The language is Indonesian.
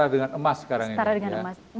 dengan emas sekarang ini